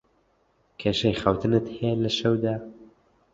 کێشەی خەوتنت هەیە لە شەودا؟